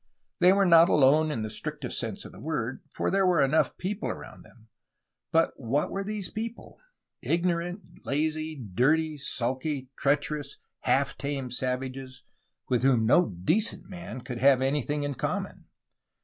They were not alone in the strict est sense of the word, for there were enough people around them. But what were these people? — ignorant, lazy, dirty, sulky, treacherous, half tamed savages, with whom no decent man could have anything in common.